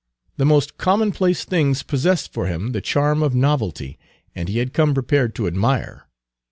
The most commonplace things possessed for him the charm of novelty, and he had come prepared to admire.